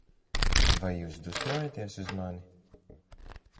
Vai jūs dusmojaties uz mani?